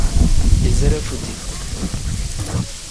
Izire futi.